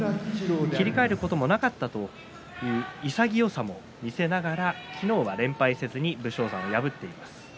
切り替えることもなかったという潔さも見せながら昨日は連敗せずに武将山を破っています。